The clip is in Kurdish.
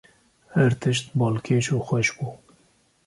Her tişt balkêş û xweş bû.